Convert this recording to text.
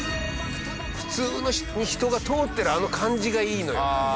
普通に人が通ってるあの感じがいいのよ。